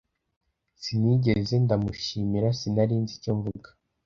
Sinigeze ndamushimira Sinari nzi icyo mvuga